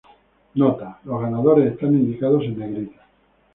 Nota: Los ganadores están indicados en negrita.